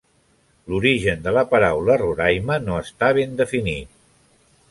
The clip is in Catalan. L'origen de la paraula Roraima no està ben definit.